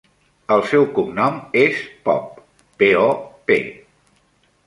El seu cognom és Pop: pe, o, pe.